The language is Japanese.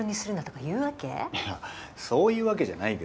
そういうわけじゃないけど。